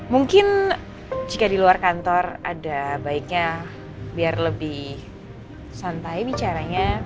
mungkin jika di luar kantor ada baiknya biar lebih santai bicaranya